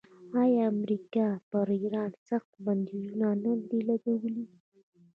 آیا امریکا پر ایران سخت بندیزونه نه دي لګولي؟